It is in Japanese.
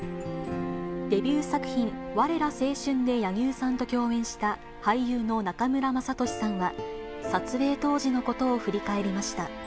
デビュー作品、われら青春！で柳生さんと共演した、俳優の中村雅俊さんは、撮影当時のことを振り返りました。